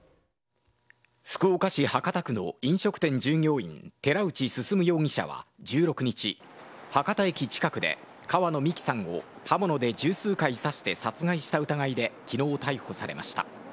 福岡市博多区の飲食店従業員寺内進容疑者は１６日、博多駅近くで川野美樹さんを刃物で十数回刺して殺害した疑いで昨日、逮捕されました。